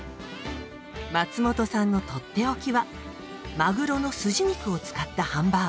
松本さんのとっておきはまぐろのスジ肉を使ったハンバーグ。